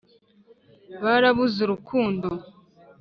barabuze urukundo